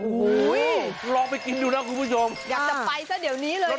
โอ้โหลองไปกินดูนะคุณผู้ชมอยากจะไปซะเดี๋ยวนี้เลยนะคะ